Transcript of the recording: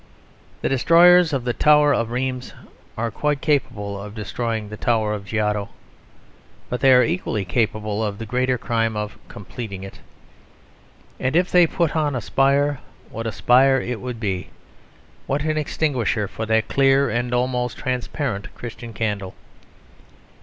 The destroyers of the tower of Rheims are quite capable of destroying the Tower of Giotto. But they are equally capable of the greater crime of completing it. And if they put on a spire, what a spire it would be! What an extinguisher for that clear and almost transparent Christian candle!